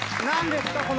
何ですか？